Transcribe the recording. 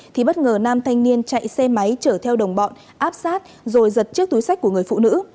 thì bất ngờ nam thanh niên chạy xe máy chở theo đồng bọn áp sát rồi giật chiếc túi sách của người phụ nữ